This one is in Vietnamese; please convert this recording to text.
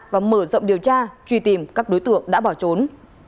và mở rộng điều tra truy tìm các đối tượng đã bỏ trốn